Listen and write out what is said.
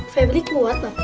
febri kuat bapak